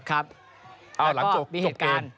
เอ้าหลังจบเกม